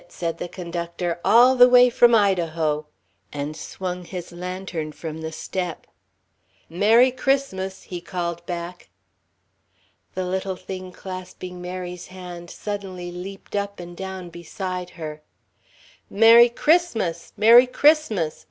said the conductor. "All the way from Idaho!" and swung his lantern from the step. "Merry Christmas!" he called back. The little thing clasping Mary's hand suddenly leaped up and down beside her. "Merry Christmas! Merry Christmas!